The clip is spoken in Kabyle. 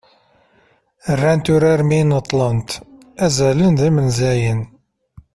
rrant urar mi neṭṭlent "azalen d yimenzayen"